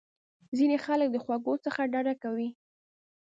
ځینې خلک د خوږو څخه ډډه کوي.